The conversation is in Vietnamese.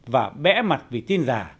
và bẽ mặt vì tin giả